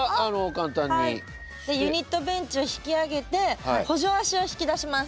「ユニットベンチを引き上げて補助脚を引き出します」。